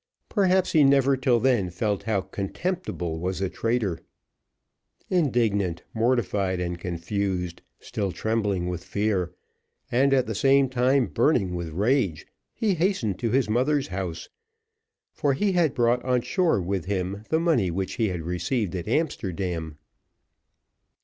Perhaps he never till then felt how contemptible was a traitor. Indignant, mortified, and confused, still trembling with fear, and, at the same time, burning with rage, he hastened to his mother's house, for he had brought on shore with him the money which he had received at Amsterdam.